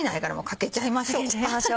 かけちゃいましょう。